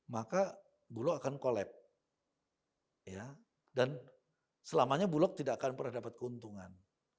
maka bulog akan collap dan selamanya bulog tidak akan pernah dapat keuntungan